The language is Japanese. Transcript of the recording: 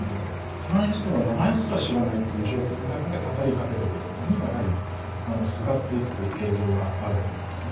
隣の人の名前すら知らないという状況の中で語りかけてくれるものにやはりすがっていくという構造があると思うんですね。